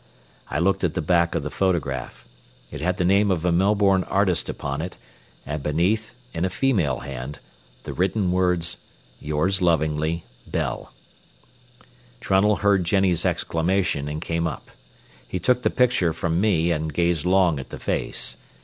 I looked at the back of the photograph. It had the name of a Melbourne artist upon it, and beneath, in a female hand, the written words, "Yours lovingly, Belle." Trunnell heard Jennie's exclamation and came up. He took the picture from me and gazed long at the face.